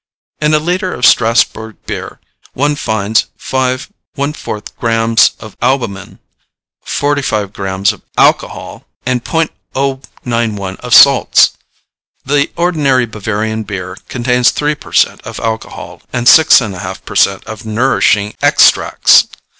In a litre of Strasburg beer one finds 5 1 4 grammes of albumen, 45 grammes of alcohol, and .091 of salts. The ordinary Bavarian beer contains three per cent. of alcohol and six and a half per cent. of nourishing extracts.